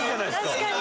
確かに。